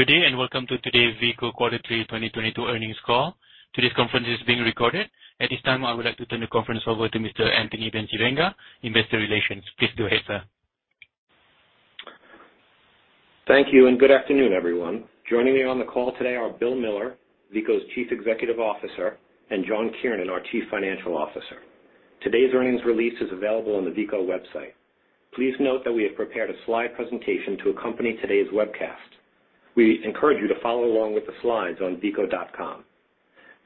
Good day, and welcome to today's Veeco Q3 2022 earnings call. Today's conference is being recorded. At this time, I would like to turn the conference over to Mr. Anthony Bencivenga, Investor Relations. Please go ahead, sir. Thank you, and good afternoon, everyone. Joining me on the call today are Bill Miller, Veeco's Chief Executive Officer, and John Kiernan, our Chief Financial Officer. Today's earnings release is available on the Veeco website. Please note that we have prepared a slide presentation to accompany today's webcast. We encourage you to follow along with the slides on veeco.com.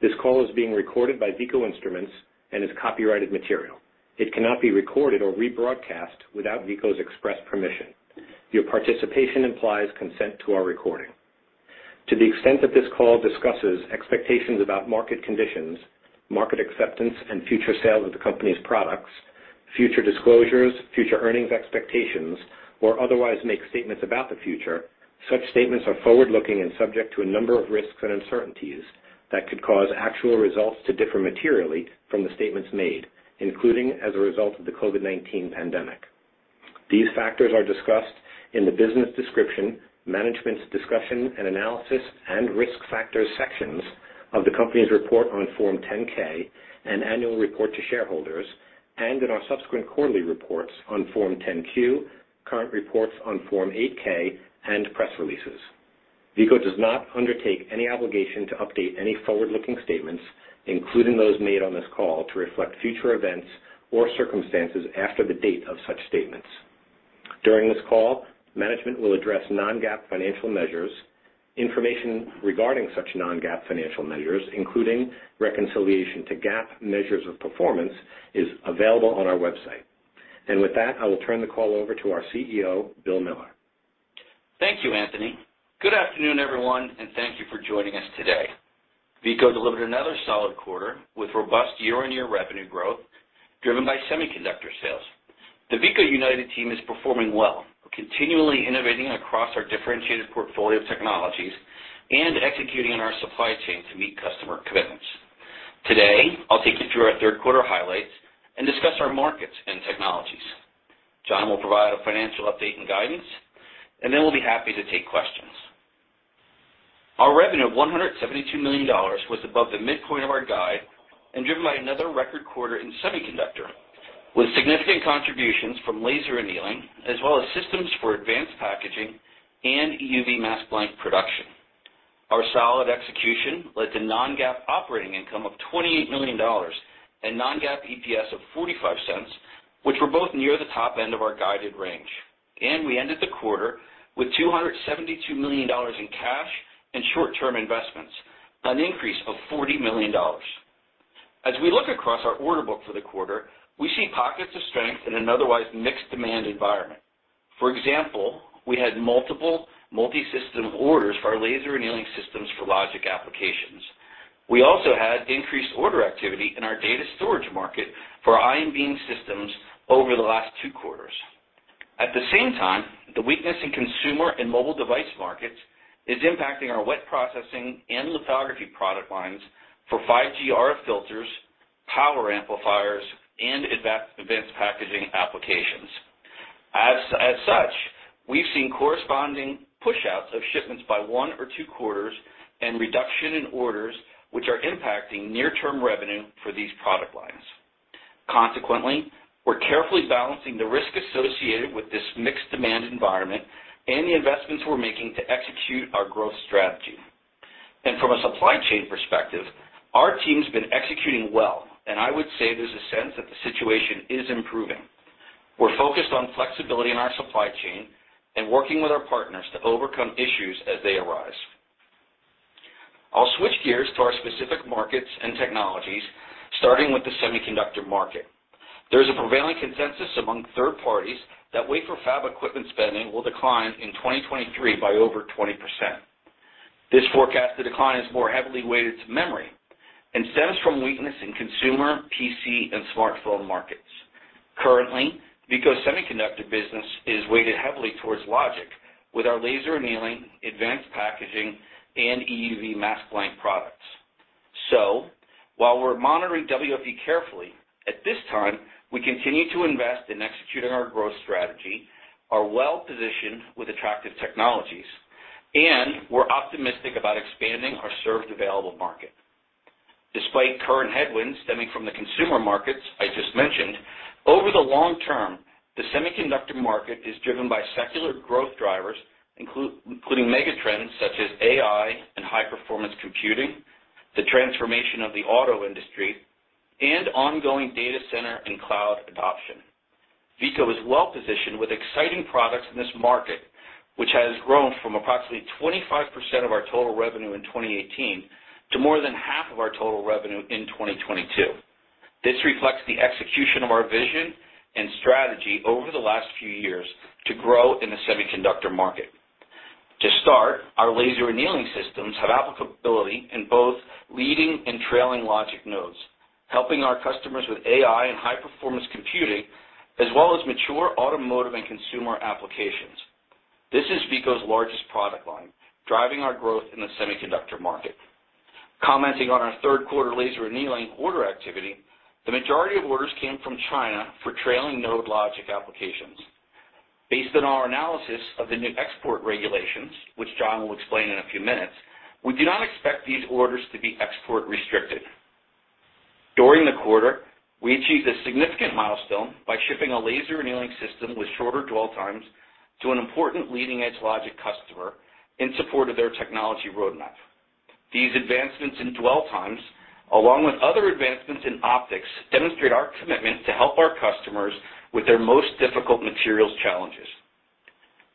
This call is being recorded by Veeco Instruments and is copyrighted material. It cannot be recorded or rebroadcast without Veeco's express permission. Your participation implies consent to our recording. To the extent that this call discusses expectations about market conditions, market acceptance, and future sales of the company's products, future disclosures, future earnings expectations, or otherwise make statements about the future, such statements are forward-looking and subject to a number of risks and uncertainties that could cause actual results to differ materially from the statements made, including as a result of the COVID-19 pandemic. These factors are discussed in the Business Description, Management's Discussion and Analysis, and Risk Factors sections of the company's report on Form 10-K and annual report to shareholders, and in our subsequent quarterly reports on Form 10-Q, current reports on Form 8-K, and press releases. Veeco does not undertake any obligation to update any forward-looking statements, including those made on this call, to reflect future events or circumstances after the date of such statements. During this call, management will address non-GAAP financial measures. Information regarding such non-GAAP financial measures, including reconciliation to GAAP measures of performance, is available on our website. With that, I will turn the call over to our CEO, Bill Miller. Thank you, Anthony. Good afternoon, everyone, and thank you for joining us today. Veeco delivered another solid quarter with robust year-on-year revenue growth driven by semiconductor sales. The Veeco United team is performing well, continually innovating across our differentiated portfolio of technologies and executing on our supply chain to meet customer commitments. Today, I'll take you through our third quarter highlights and discuss our markets and technologies. John will provide a financial update and guidance, and then we'll be happy to take questions. Our revenue of $172 million was above the midpoint of our guide and driven by another record quarter in semiconductor, with significant contributions from laser annealing as well as systems for advanced packaging and EUV mask blank production. Our solid execution led to non-GAAP operating income of $28 million and non-GAAP EPS of $0.45, which were both near the top end of our guided range. We ended the quarter with $272 million in cash and short-term investments, an increase of $40 million. As we look across our order book for the quarter, we see pockets of strength in an otherwise mixed demand environment. For example, we had multiple multi-system orders for our laser annealing systems for logic applications. We also had increased order activity in our data storage market for ion beam systems over the last two quarters. At the same time, the weakness in consumer and mobile device markets is impacting our wet processing and lithography product lines for 5G RF filters, power amplifiers, and advanced packaging applications. As such, we've seen corresponding pushouts of shipments by one or two quarters and reduction in orders, which are impacting near-term revenue for these product lines. Consequently, we're carefully balancing the risk associated with this mixed demand environment and the investments we're making to execute our growth strategy. From a supply chain perspective, our team's been executing well, and I would say there's a sense that the situation is improving. We're focused on flexibility in our supply chain and working with our partners to overcome issues as they arise. I'll switch gears to our specific markets and technologies, starting with the semiconductor market. There's a prevailing consensus among third parties that wafer fab equipment spending will decline in 2023 by over 20%. This forecasted decline is more heavily weighted to memory and stems from weakness in consumer, PC, and smartphone markets. Currently, Veeco's semiconductor business is weighted heavily towards logic with our laser annealing, advanced packaging, and EUV mask blank products. While we're monitoring WFE carefully, at this time, we continue to invest in executing our growth strategy, are well-positioned with attractive technologies, and we're optimistic about expanding our served available market. Despite current headwinds stemming from the consumer markets I just mentioned, over the long term, the semiconductor market is driven by secular growth drivers, including megatrends such as AI and high-performance computing, the transformation of the auto industry, and ongoing data center and cloud adoption. Veeco is well-positioned with exciting products in this market, which has grown from approximately 25% of our total revenue in 2018 to more than half of our total revenue in 2022. This reflects the execution of our vision and strategy over the last few years to grow in the semiconductor market. To start, our laser annealing systems have applicability in both leading and trailing logic nodes, helping our customers with AI and high performance computing, as well as mature automotive and consumer applications. This is Veeco's largest product line, driving our growth in the semiconductor market. Commenting on our third quarter laser annealing order activity, the majority of orders came from China for trailing node logic applications. Based on our analysis of the new export regulations, which John will explain in a few minutes, we do not expect these orders to be export restricted. During the quarter, we achieved a significant milestone by shipping a laser annealing system with shorter dwell times to an important leading edge logic customer in support of their technology roadmap. These advancements in dwell times, along with other advancements in optics, demonstrate our commitment to help our customers with their most difficult materials challenges.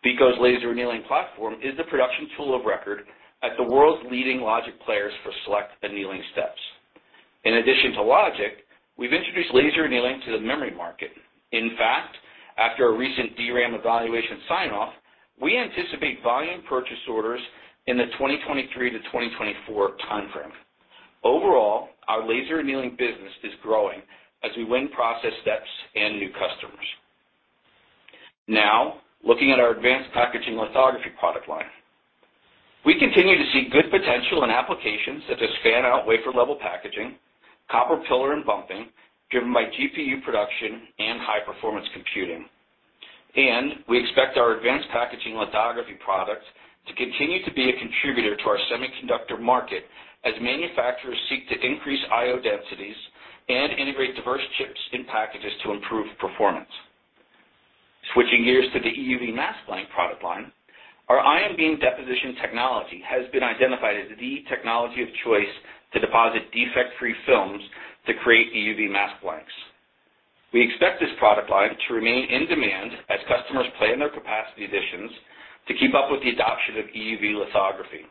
Veeco's laser annealing platform is the production tool of record at the world's leading logic players for select annealing steps. In addition to logic, we've introduced laser annealing to the memory market. In fact, after a recent DRAM evaluation sign-off, we anticipate volume purchase orders in the 2023-2024 time frame. Overall, our laser annealing business is growing as we win process steps and new customers. Now, looking at our advanced packaging lithography product line. We continue to see good potential in applications such as fan-out wafer-level packaging, copper pillar and bumping, driven by GPU production and high-performance computing. We expect our advanced packaging lithography product to continue to be a contributor to our semiconductor market as manufacturers seek to increase IO densities and integrate diverse chips in packages to improve performance. Switching gears to the EUV mask blank product line. Our ion beam deposition technology has been identified as the technology of choice to deposit defect-free films to create EUV mask blanks. We expect this product line to remain in demand as customers plan their capacity additions to keep up with the adoption of EUV lithography.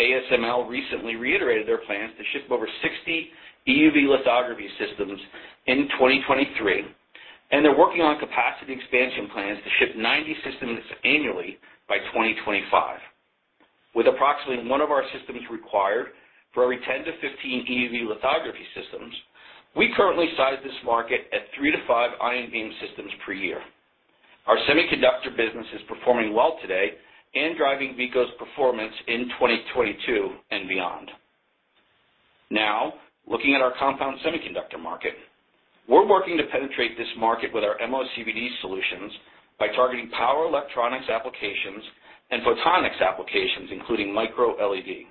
ASML recently reiterated their plans to ship over 60 EUV lithography systems in 2023, and they're working on capacity expansion plans to ship 90 systems annually by 2025. With approximately one of our systems required for every 10-15 EUV lithography systems, we currently size this market at three-five ion beam systems per year. Our semiconductor business is performing well today and driving Veeco's performance in 2022 and beyond. Now, looking at our compound semiconductor market. We're working to penetrate this market with our MOCVD solutions by targeting power electronics applications and photonics applications, including MicroLED.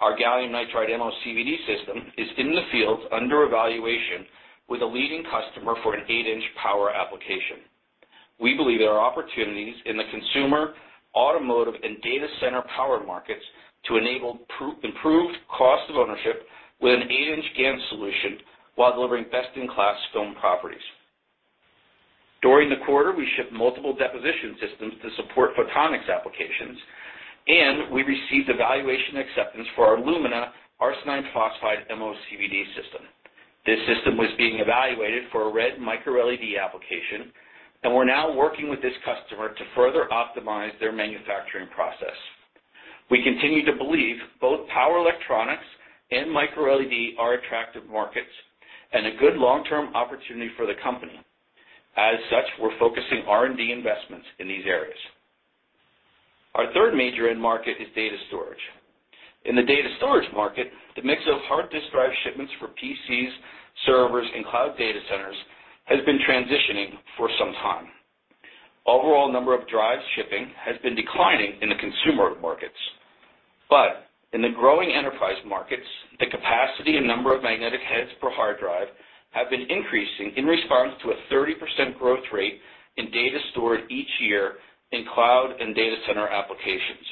Our gallium nitride MOCVD system is in the field under evaluation with a leading customer for an 8-inch power application. We believe there are opportunities in the consumer, automotive, and data center power markets to enable improved cost of ownership with an eight inch GaN solution while delivering best-in-class film properties. During the quarter, we shipped multiple deposition systems to support photonics applications, and we received evaluation acceptance for our Lumina Arsenic Phosphide MOCVD system. This system was being evaluated for a red MicroLED application, and we're now working with this customer to further optimize their manufacturing process. We continue to believe both power electronics and MicroLED are attractive markets and a good long-term opportunity for the company. As such, we're focusing R&D investments in these areas. Our third major end market is data storage. In the data storage market, the mix of hard disk drive shipments for PCs, servers, and cloud data centers has been transitioning for some time. Overall number of drives shipping has been declining in the consumer markets. But in the growing enterprise markets, the capacity and number of magnetic heads per hard drive have been increasing in response to a 30% growth rate in data stored each year in cloud and data center applications.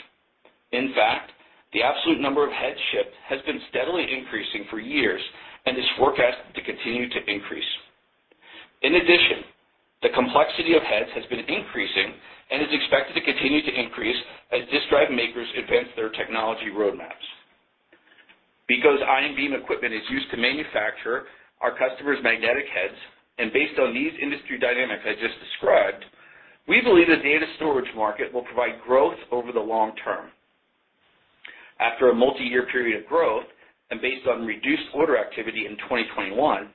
In fact, the absolute number of heads shipped has been steadily increasing for years and is forecasted to continue to increase. In addition, the complexity of heads has been increasing and is expected to continue to increase as disk drive makers advance their technology roadmaps. Because ion beam equipment is used to manufacture our customers' magnetic heads, and based on these industry dynamics I just described, we believe the data storage market will provide growth over the long term. After a multi-year period of growth, and based on reduced order activity in 2021,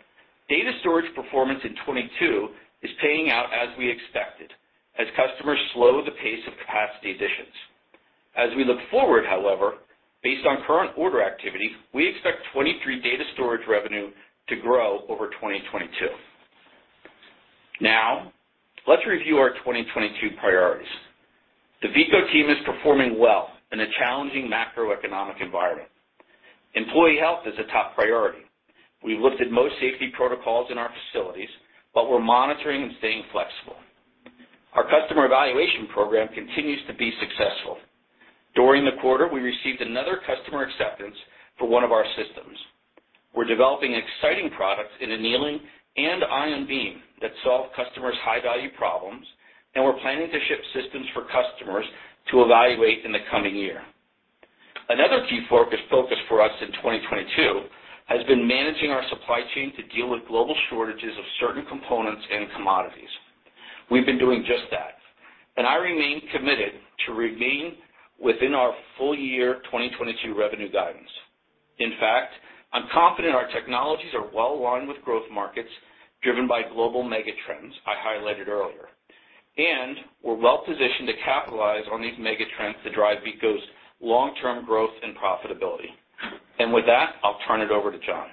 data storage performance in 2022 is paying out as we expected as customers slow the pace of capacity additions. As we look forward, however, based on current order activity, we expect 2023 data storage revenue to grow over 2022. Now, let's review our 2022 priorities. The Veeco team is performing well in a challenging macroeconomic environment. Employee health is a top priority. We've lifted most safety protocols in our facilities, but we're monitoring and staying flexible. Our customer evaluation program continues to be successful. During the quarter, we received another customer acceptance for one of our systems. We're developing exciting products in annealing and ion beam that solve customers' high-value problems, and we're planning to ship systems for customers to evaluate in the coming year. Another key focus for us in 2022 has been managing our supply chain to deal with global shortages of certain components and commodities. We've been doing just that, and I remain committed to remain within our full year 2022 revenue guidance. In fact, I'm confident our technologies are well aligned with growth markets driven by global mega trends I highlighted earlier. We're well-positioned to capitalize on these mega trends to drive Veeco's long-term growth and profitability. With that, I'll turn it over to John Kiernan.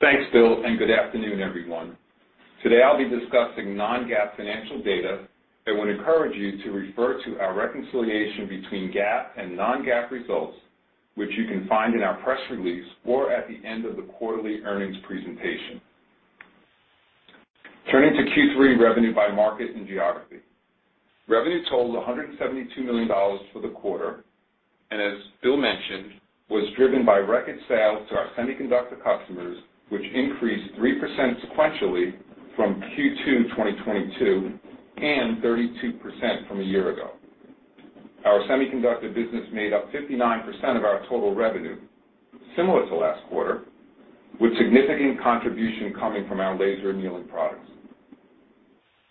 Thanks, Bill, and good afternoon, everyone. Today I'll be discussing non-GAAP financial data. I would encourage you to refer to our reconciliation between GAAP and non-GAAP results, which you can find in our press release or at the end of the quarterly earnings presentation. Turning to Q3 revenue by market and geography. Revenue totaled $172 million for the quarter, and as Bill mentioned, was driven by record sales to our semiconductor customers, which increased 3% sequentially from Q2 2022 and 32% from a year ago. Our semiconductor business made up 59% of our total revenue, similar to last quarter, with significant contribution coming from our laser annealing products.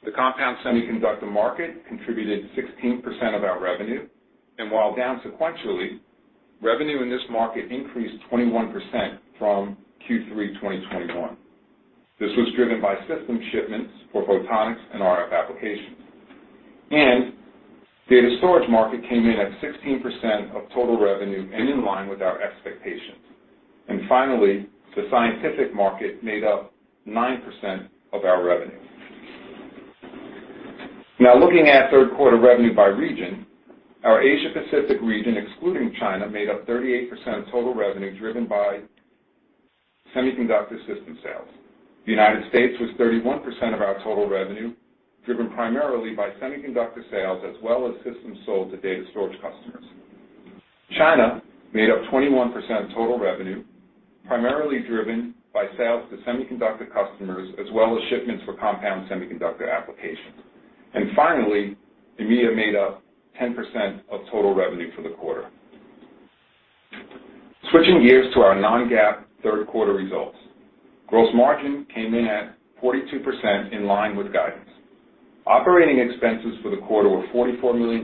The compound semiconductor market contributed 16% of our revenue, and while down sequentially, revenue in this market increased 21% from Q3 2021. This was driven by system shipments for Photonics and RF applications. Data storage market came in at 16% of total revenue and in line with our expectations. Finally, the scientific market made up 9% of our revenue. Now looking at third quarter revenue by region, our Asia Pacific region, excluding China, made up 38% of total revenue driven by semiconductor system sales. The United States was 31% of our total revenue, driven primarily by semiconductor sales as well as systems sold to data storage customers. China made up 21% of total revenue, primarily driven by sales to semiconductor customers, as well as shipments for compound semiconductor applications. Finally, EMEIA made up 10% of total revenue for the quarter. Switching gears to our non-GAAP third quarter results. Gross margin came in at 42% in line with guidance. Operating expenses for the quarter were $44 million,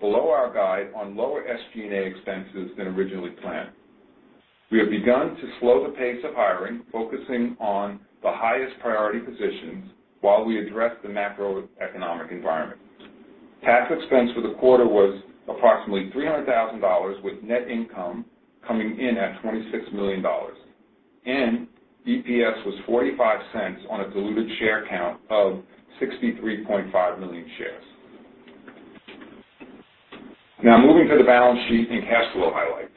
below our guide on lower SG&A expenses than originally planned. We have begun to slow the pace of hiring, focusing on the highest priority positions while we address the macroeconomic environment. Tax expense for the quarter was approximately $300 thousand, with net income coming in at $26 million, and EPS was $0.45 on a diluted share count of 63.5 million shares. Now moving to the balance sheet and cash flow highlights.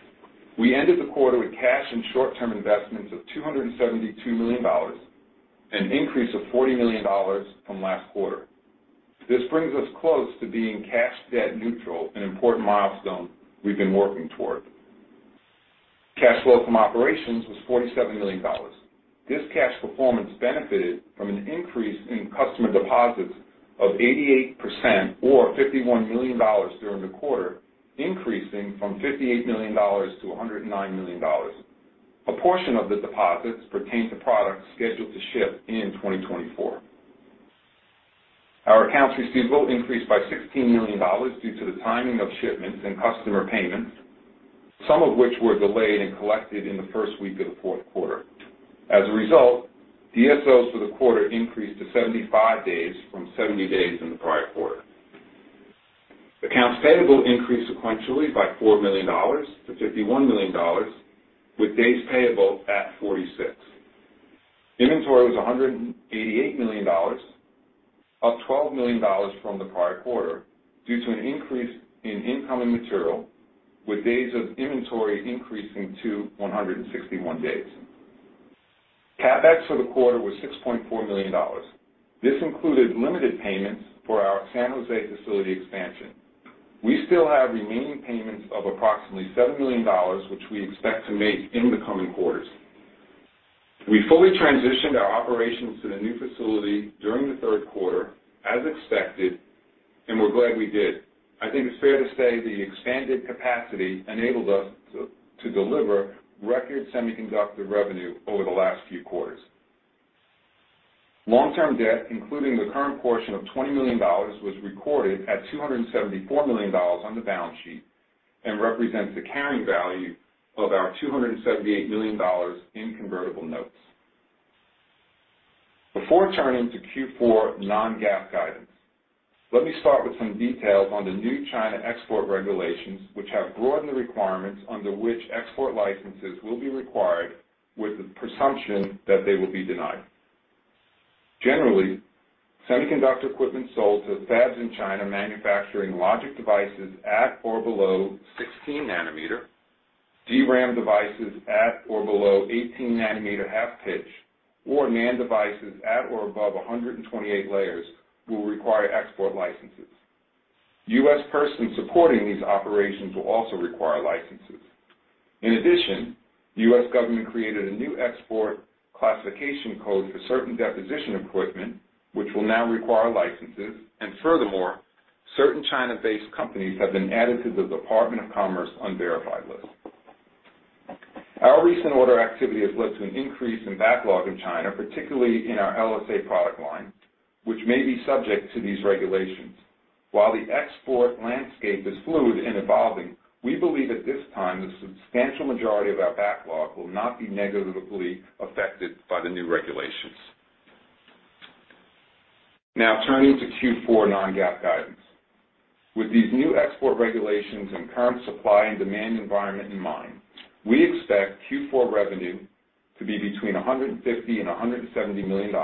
We ended the quarter with cash and short-term investments of $272 million, an increase of $40 million from last quarter. This brings us close to being cash debt neutral, an important milestone we've been working toward. Cash flow from operations was $47 million. This cash performance benefited from an increase in customer deposits of 88% or $51 million during the quarter, increasing from $58 million-$109 million. A portion of the deposits pertain to products scheduled to ship in 2024. Our accounts receivable increased by $16 million due to the timing of shipments and customer payments, some of which were delayed and collected in the first week of the fourth quarter. As a result, DSO for the quarter increased to 75 days from 70 days in the prior quarter. Accounts payable increased sequentially by $4 million-$51 million, with days payable at 46. Inventory was $188 million, up $12 million from the prior quarter due to an increase in incoming material with days of inventory increasing to 161 days. CapEx for the quarter was $6.4 million. This included limited payments for our San Jose facility expansion. We still have remaining payments of approximately $7 million, which we expect to make in the coming quarters. We fully transitioned our operations to the new facility during the third quarter as expected, and we're glad we did. I think it's fair to say the expanded capacity enabled us to deliver record semiconductor revenue over the last few quarters. Long-term debt, including the current portion of $20 million, was recorded at $274 million on the balance sheet and represents the carrying value of our $278 million in convertible notes. Before turning to Q4 non-GAAP guidance, let me start with some details on the new China export regulations, which have broadened the requirements under which export licenses will be required with the presumption that they will be denied. Generally, semiconductor equipment sold to fabs in China manufacturing logic devices at or below 16 nanometer, DRAM devices at or below 18 nanometer half pitch, or NAND devices at or above 128 layers will require export licenses. U.S. persons supporting these operations will also require licenses. In addition, U.S. government created a new export classification code for certain deposition equipment, which will now require licenses. Certain China-based companies have been added to the Department of Commerce Unverified List. Our recent order activity has led to an increase in backlog in China, particularly in our LSA product line, which may be subject to these regulations. While the export landscape is fluid and evolving, we believe at this time the substantial majority of our backlog will not be negatively affected by the new regulations. Now, turning to Q4 non-GAAP guidance. With these new export regulations and current supply and demand environment in mind, we expect Q4 revenue to be between $150 million and $170 million.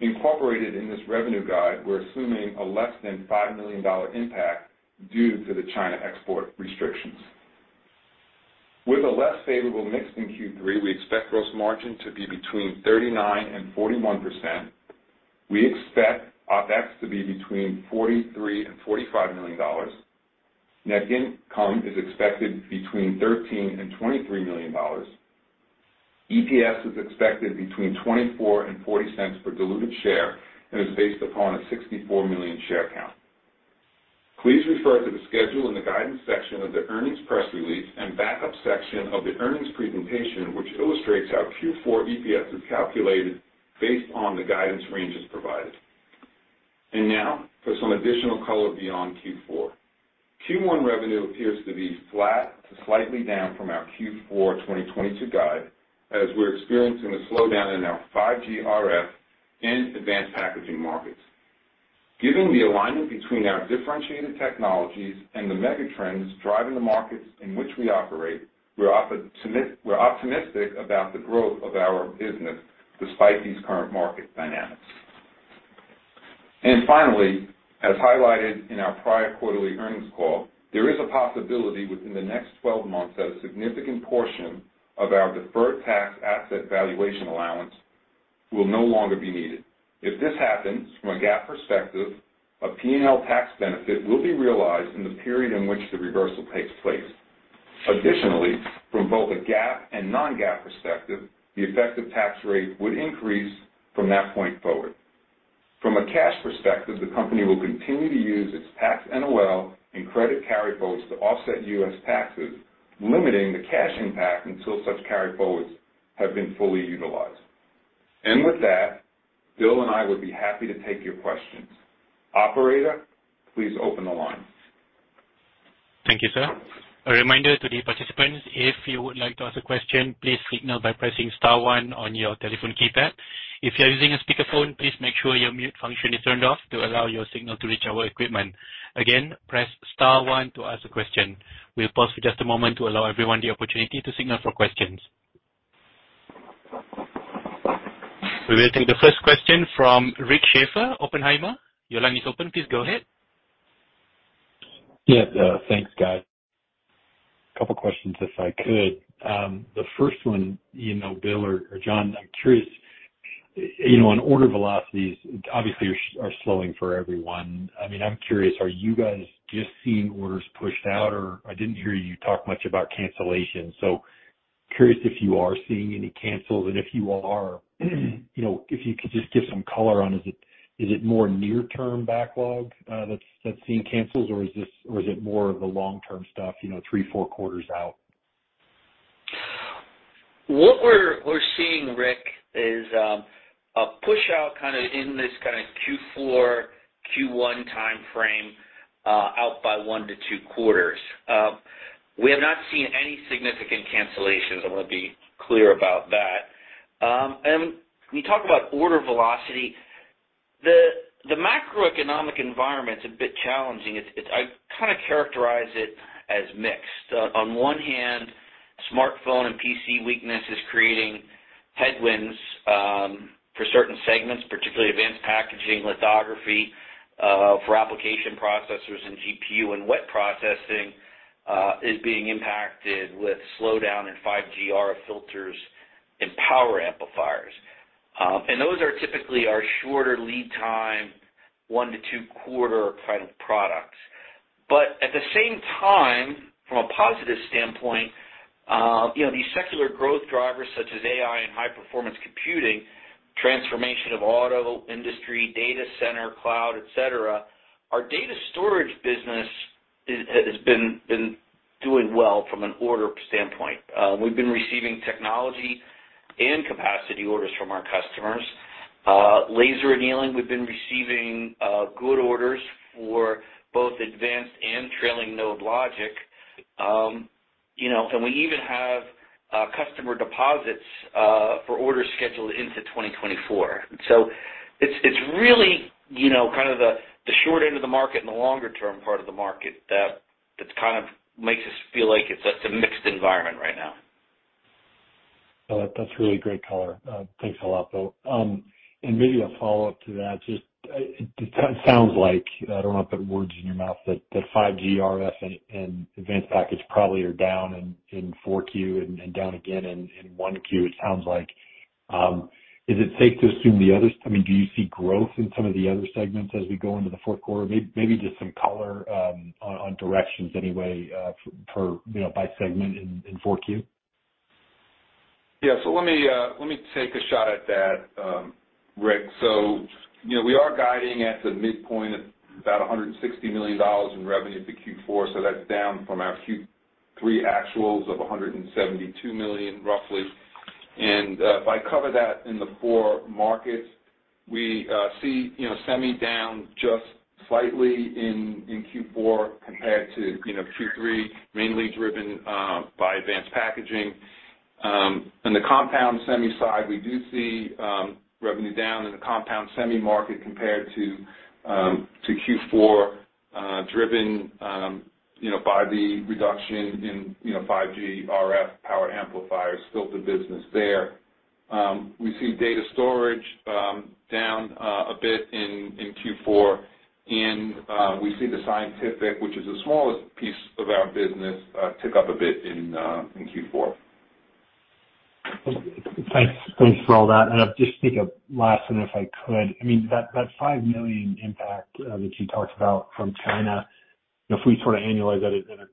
Incorporated in this revenue guide, we're assuming a less than $5 million impact due to the China export restrictions. With a less favorable mix in Q3, we expect gross margin to be between 39% and 41%. We expect OpEx to be between $43 million and $45 million. Net income is expected between $13 million and $23 million. EPS is expected between 0.24 and 0.40 per diluted share and is based upon a 64 million share count. Please refer to the schedule in the guidance section of the earnings press release and backup section of the earnings presentation, which illustrates how Q4 EPS is calculated based on the guidance ranges provided. Now for some additional color beyond Q4. Q1 revenue appears to be flat to slightly down from our Q4 2022 guide as we're experiencing a slowdown in our 5G RF and advanced packaging markets. Given the alignment between our differentiated technologies and the mega trends driving the markets in which we operate, we're optimistic about the growth of our business despite these current market dynamics. Finally, as highlighted in our prior quarterly earnings call, there is a possibility within the next twelve months that a significant portion of our deferred tax asset valuation allowance will no longer be needed. If this happens, from a GAAP perspective, a P&L tax benefit will be realized in the period in which the reversal takes place. Additionally, from both a GAAP and non-GAAP perspective, the effective tax rate would increase from that point forward. From a cash perspective, the company will continue to use its tax NOL and credit carryforwards to offset U.S. taxes, limiting the cash impact until such carryforwards have been fully utilized. With that, Bill and I would be happy to take your questions. Operator, please open the line. Thank you, sir. A reminder to the participants, if you would like to ask a question, please signal by pressing star one on your telephone keypad. If you are using a speakerphone, please make sure your mute function is turned off to allow your signal to reach our equipment. Again, press star one to ask a question. We'll pause for just a moment to allow everyone the opportunity to signal for questions. We will take the first question from Rick Schafer, Oppenheimer. Your line is open. Please go ahead. Yeah, thanks, guys. A couple questions if I could. The first one, you know, Bill or John, I'm curious, you know, on order velocities obviously are slowing for everyone. I mean, I'm curious, are you guys just seeing orders pushed out, or I didn't hear you talk much about cancellation. Curious if you are seeing any cancels, and if you are, you know, if you could just give some color on is it more near term backlog, that's seeing cancels, or is it more of the long term stuff, you know, three, four quarters out? What we're seeing, Rick, is a push out kinda in this kinda Q4, Q1 timeframe out by one-two quarters. We have not seen any significant cancellations. I wanna be clear about that. When you talk about order velocity, the macroeconomic environment's a bit challenging. I kinda characterize it as mixed. On one hand, smartphone and PC weakness is creating headwinds for certain segments, particularly advanced packaging, lithography for application processors and GPU and wet processing is being impacted with slowdown in 5G RF filters and power amplifiers. Those are typically our shorter lead time, one-two-quarter kind of products. At the same time, from a positive standpoint, you know, these secular growth drivers such as AI and high-performance computing, transformation of auto industry, data center, cloud, et cetera, our data storage business has been doing well from an order standpoint. We've been receiving technology and capacity orders from our customers. Laser annealing, we've been receiving good orders for both advanced and trailing node logic. You know, and we even have customer deposits for orders scheduled into 2024. It's really, you know, kind of the short end of the market and the longer term part of the market that kind of makes us feel like it's a mixed environment right now. Well, that's really great color. Thanks a lot, Bill. Maybe a follow-up to that, just, it sounds like, I don't know if I put words in your mouth, that 5G RF and advanced package probably are down in 4Q and down again in 1Q, it sounds like. Is it safe to assume, I mean, do you see growth in some of the other segments as we go into the fourth quarter? Maybe just some color on directions anyway, for, you know, by segment in 4Q. Yeah. Let me take a shot at that, Rick. You know, we are guiding at the midpoint about $160 million in revenue to Q4, so that's down from our Q3 actuals of 172 million, roughly. If I cover that in the four markets, we see, you know, semi down just slightly in Q4 compared to, you know, Q3, mainly driven by advanced packaging. In the compound semi side, we do see revenue down in the compound semi market compared to Q4, driven, you know, by the reduction in, you know, 5G RF power amplifiers, still good business there. We see data storage down a bit in Q4, and we see the scientific, which is the smallest piece of our business, tick up a bit in Q4. Thanks. Thanks for all that. If I could, I mean that 5 million impact that you talked about from China, if we sort of annualize that,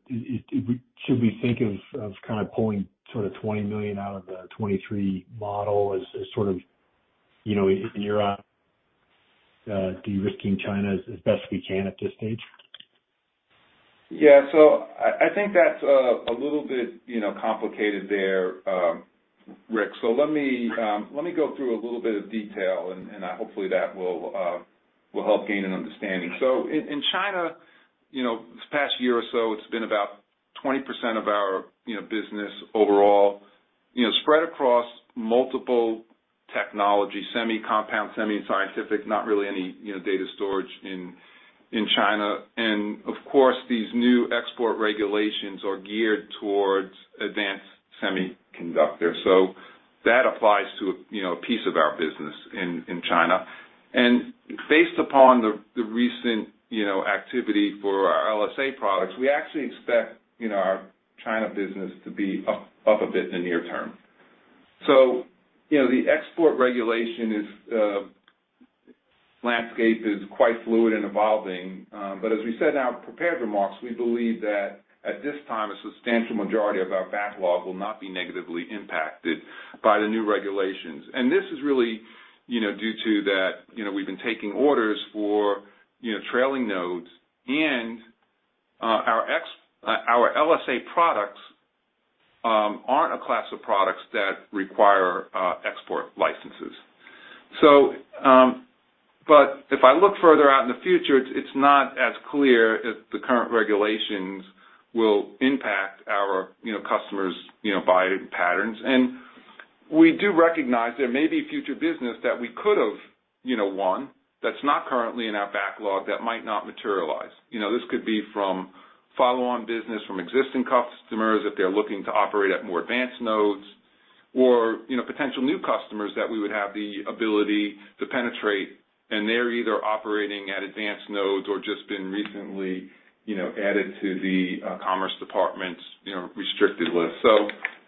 should we think of kind of pulling sort of $20 million out of the 2023 model as sort of, you know, in your de-risking China as best we can at this stage? Yeah. I think that's a little bit, you know, complicated there, Rick. Let me go through a little bit of detail, and hopefully that will help gain an understanding. In China, you know, this past year or so, it's been about 20% of our, you know, business overall, you know, spread across multiple technologies, semi, compound semi, and scientific, not really any, you know, data storage in China. Of course, these new export regulations are geared towards advanced semiconductors. That applies to, you know, a piece of our business in China. Based upon the recent, you know, activity for our LSA products, we actually expect, you know, our China business to be up a bit in the near term. You know, the export regulations landscape is quite fluid and evolving. As we said in our prepared remarks, we believe that at this time, a substantial majority of our backlog will not be negatively impacted by the new regulations. This is really, you know, due to that, you know, we've been taking orders for, you know, trailing nodes and our LSA products aren't a class of products that require export licenses. If I look further out in the future, it's not as clear if the current regulations will impact our, you know, customers, you know, buying patterns. We do recognize there may be future business that we could have, you know, won that's not currently in our backlog that might not materialize. You know, this could be from follow-on business from existing customers, if they're looking to operate at more advanced nodes or, you know, potential new customers that we would have the ability to penetrate, and they're either operating at advanced nodes or just been recently, you know, added to the Department of Commerce's restricted list.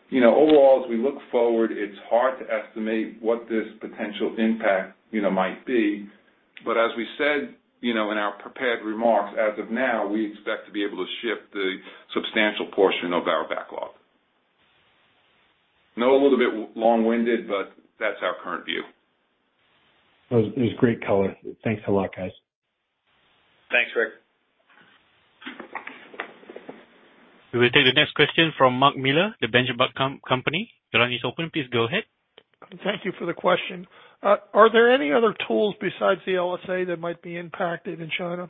You know, overall, as we look forward, it's hard to estimate what this potential impact, you know, might be. As we said, you know, in our prepared remarks, as of now, we expect to be able to ship the substantial portion of our backlog. You know, a little bit long-winded, but that's our current view. It was great color. Thanks a lot, guys. Thanks, Rick. We will take the next question from Mark Miller, The Benchmark Company. Your line is open. Please go ahead. Thank you for the question. Are there any other tools besides the LSA that might be impacted in China?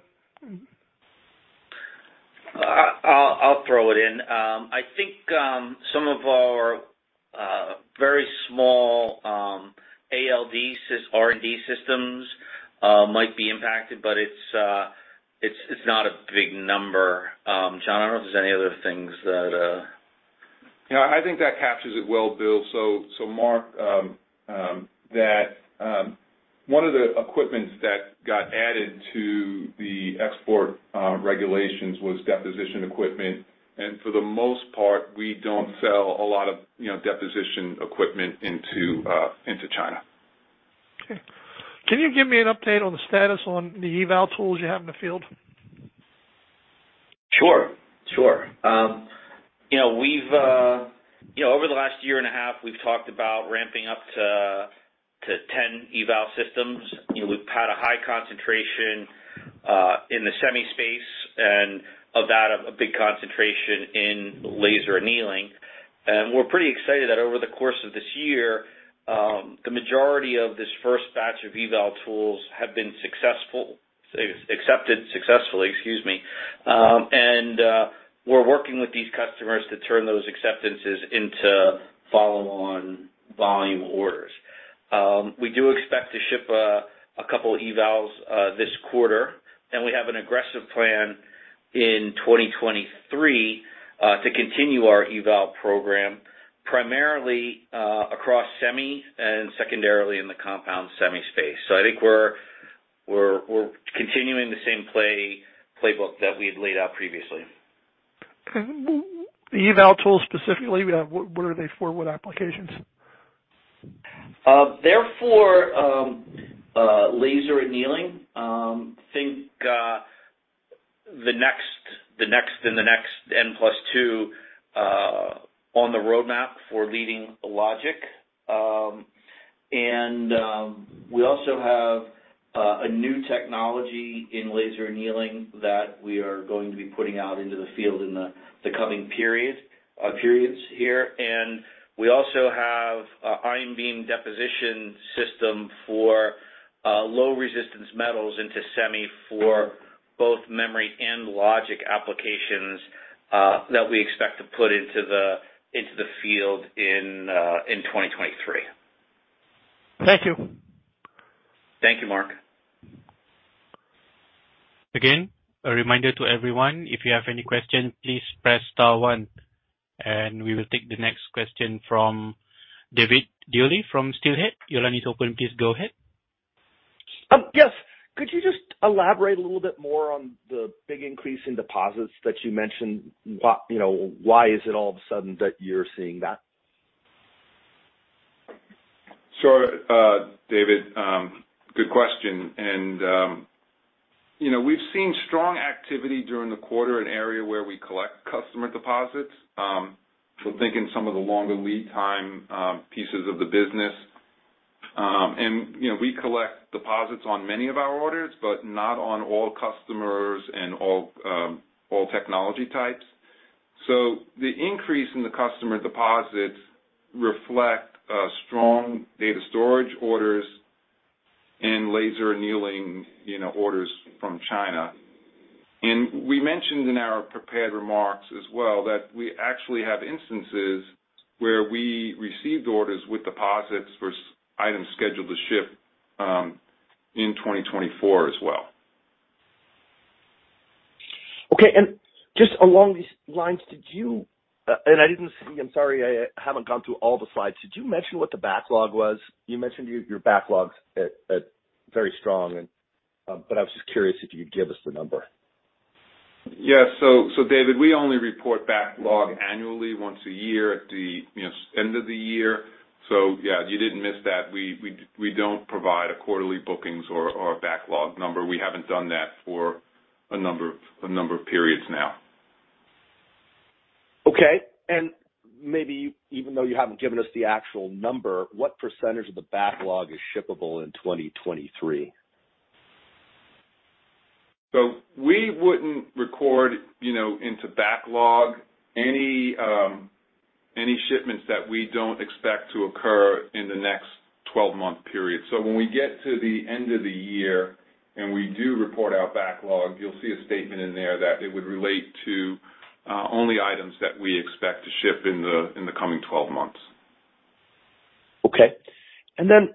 I'll throw it in. I think some of our very small ALD R&D systems might be impacted, but it's not a big number. John, I don't know if there's any other things. No, I think that captures it well, Bill. Mark, that one of the equipment that got added to the export regulations was deposition equipment, and for the most part, we don't sell a lot of, you know, deposition equipment into China. Okay. Can you give me an update on the status on the eval tools you have in the field? Sure, sure. You know, we've talked about ramping up to 10 eval systems. You know, we've had a high concentration in the semi space and of that, a big concentration in laser annealing. We're pretty excited that over the course of this year, the majority of this first batch of eval tools have been successful. Accepted successfully, excuse me. We're working with these customers to turn those acceptances into follow-on volume orders. We do expect to ship a couple evals this quarter, and we have an aggressive plan in 2023 to continue our eval program, primarily across semi and secondarily in the compound semi space. I think we're continuing the same playbook that we had laid out previously. Okay. The eval tools specifically, what are they for? What applications? They're for laser annealing. Think the next and the N+2 on the roadmap for leading logic. We also- A new technology in laser annealing that we are going to be putting out into the field in the coming periods here. We also have a ion beam deposition system for low resistance metals into semi for both memory and logic applications that we expect to put into the field in 2023. Thank you. Thank you, Mark. Again, a reminder to everyone, if you have any questions, please press star one. We will take the next question from David Duley from Steelhead. Your line is open. Please go ahead. Yes. Could you just elaborate a little bit more on the big increase in deposits that you mentioned? Why, you know, why is it all of a sudden that you're seeing that? Sure, David, good question. You know, we've seen strong activity during the quarter in areas where we collect customer deposits, so thinking some of the longer lead time pieces of the business. You know, we collect deposits on many of our orders, but not on all customers and all technology types. The increase in the customer deposits reflect a strong data storage orders and laser annealing, you know, orders from China. We mentioned in our prepared remarks as well, that we actually have instances where we received orders with deposits for some items scheduled to ship in 2024 as well. Okay. Just along these lines, did you and I didn't see, I'm sorry, I haven't gone through all the slides. Did you mention what the backlog was? You mentioned your backlog's at very strong and but I was just curious if you could give us the number. Yeah. David, we only report backlog annually once a year at the, you know, end of the year. Yeah, you didn't miss that. We don't provide a quarterly bookings or a backlog number. We haven't done that for a number of periods now. Okay. Maybe even though you haven't given us the actual number, what percentage of the backlog is shippable in 2023? We wouldn't record, you know, into backlog any shipments that we don't expect to occur in the next 12-month period. When we get to the end of the year, and we do report our backlog, you'll see a statement in there that it would relate to only items that we expect to ship in the coming 12 months. Okay. Bill,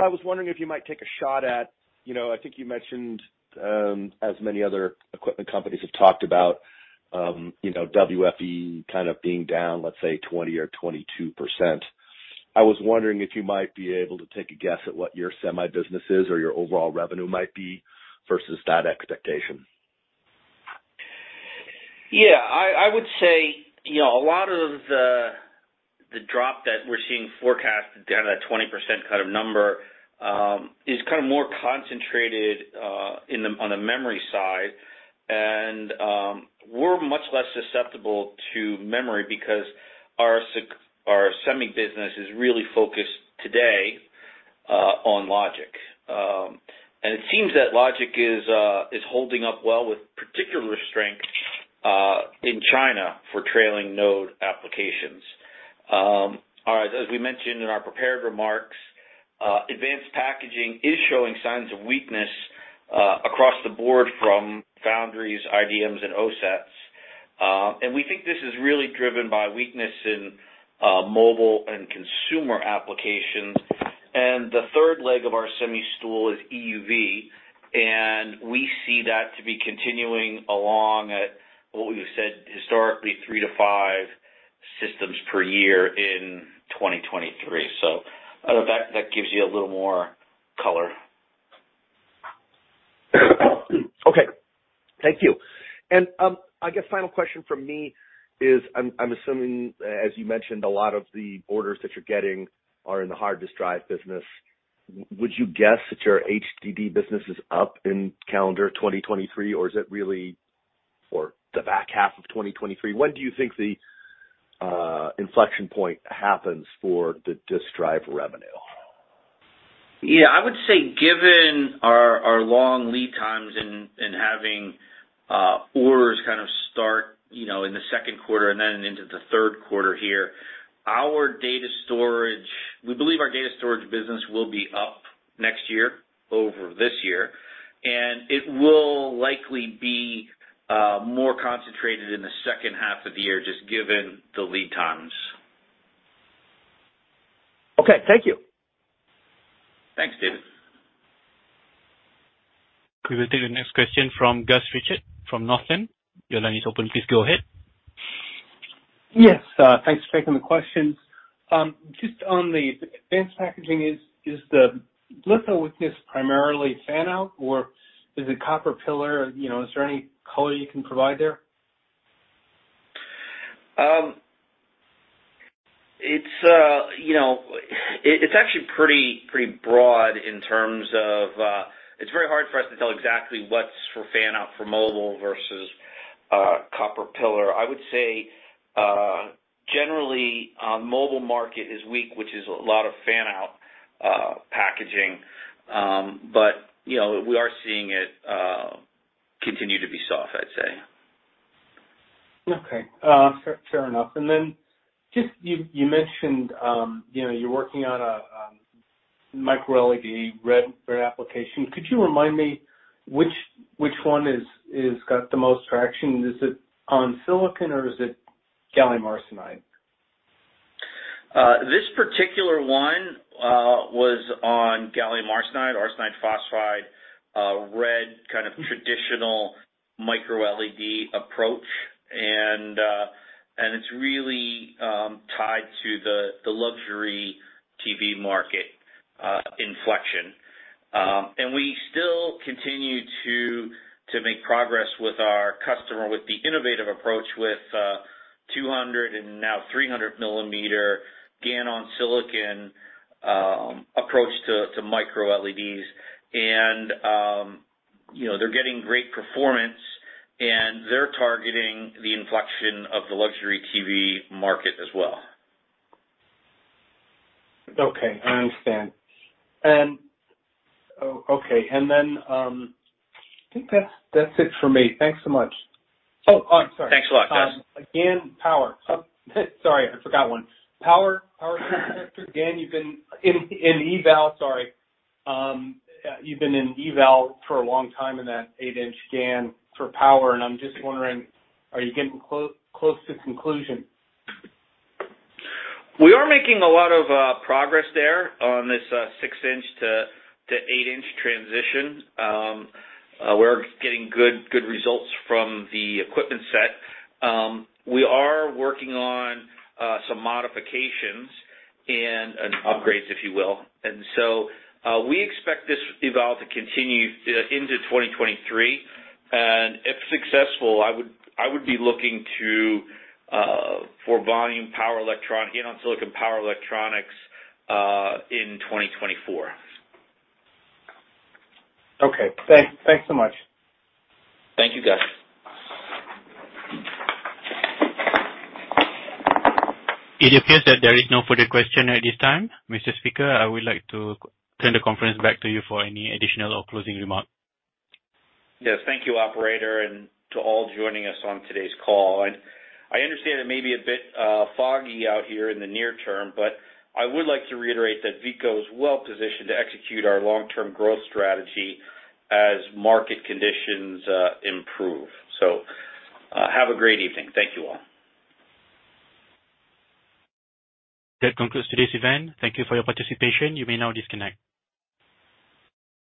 I was wondering if you might take a shot at, you know, I think you mentioned, as many other equipment companies have talked about, you know, WFE kind of being down, let's say 20 or 22%. I was wondering if you might be able to take a guess at what your semi business is or your overall revenue might be versus that expectation. Yeah. I would say, you know, a lot of the drop that we're seeing forecast down at 20% kind of number is kind of more concentrated on the memory side. We're much less susceptible to memory because our semi business is really focused today on logic. It seems that logic is holding up well with particular strength in China for trailing node applications. All right, as we mentioned in our prepared remarks, advanced packaging is showing signs of weakness across the board from foundries, IDMs, and OSATs. We think this is really driven by weakness in mobile and consumer applications. The third leg of our semi stool is EUV, and we see that to be continuing along at what we've said historically, three-five systems per year in 2023. I know that gives you a little more color. Okay. Thank you. I guess final question from me is I'm assuming, as you mentioned, a lot of the orders that you're getting are in the hard disk drive business. Would you guess that your HDD business is up in calendar 2023, or is it really for the back half of 2023? When do you think the inflection point happens for the disk drive revenue? Yeah. I would say given our long lead times in having orders kind of start, you know, in the second quarter and then into the third quarter here. We believe our data storage business will be up next year over this year, and it will likely be more concentrated in the second half of the year, just given the lead times. Okay. Thank you. Thanks, David. We will take the next question from Gus Richard from Northland. Your line is open. Please go ahead. Yes, thanks for taking the questions. Just on the advanced packaging, is the litho weakness primarily fan-out, or is it copper pillar? You know, is there any color you can provide there? It's actually pretty broad in terms of. It's very hard for us to tell exactly what's for fan-out for mobile versus copper pillar. I would say, generally, mobile market is weak, which is a lot of fan-out packaging. You know, we are seeing it continue to be soft, I'd say. Okay. Fair enough. Just you mentioned, you know, you're working on a MicroLED red application. Could you remind me which one is got the most traction? Is it on silicon or is it gallium arsenide? This particular one was on gallium arsenide, arsenic phosphide, red kind of traditional MicroLED approach. It's really tied to the luxury TV market inflection. We still continue to make progress with our customer with the innovative approach with 200- and now 300-millimeter GaN on silicon approach to MicroLEDs. You know, they're getting great performance, and they're targeting the inflection of the luxury TV market as well. Okay. I understand. Oh, okay. I think that's it for me. Thanks so much. Oh, I'm sorry. Thanks a lot, guys. Again, power. Sorry, I forgot one. Power transistor. You've been in eval for a long time in that 8-inch GaN for power, and I'm just wondering, are you getting close to conclusion? We are making a lot of progress there on this six-inch to eight-inch transition. We're getting good results from the equipment set. We are working on some modifications and upgrades, if you will. We expect this eval to continue into 2023. If successful, I would be looking forward to volume GaN on silicon power electronics in 2024. Okay. Thanks so much. Thank you, guys. It appears that there is no further question at this time. Mr. Bencivenga, I would like to turn the conference back to you for any additional or closing remarks. Yes, thank you, operator, and to all joining us on today's call. I understand it may be a bit foggy out here in the near term, but I would like to reiterate that Veeco is well positioned to execute our long-term growth strategy as market conditions improve. Have a great evening. Thank you all. That concludes today's event. Thank you for your participation. You may now disconnect.